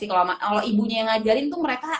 kalau ibunya yang ngajarin tuh mereka